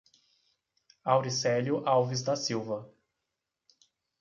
Auricelio Alves da Silva